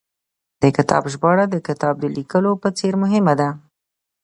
د کتاب ژباړه، د کتاب د لیکلو په څېر مهمه ده